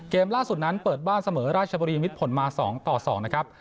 ล่าสุดนั้นเปิดบ้านเสมอราชบุรีมิดผลมา๒ต่อ๒นะครับ